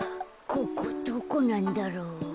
ここどこなんだろう。